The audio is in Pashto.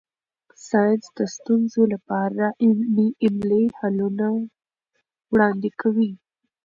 ساینس د ستونزو لپاره عملي حلونه وړاندې کوي.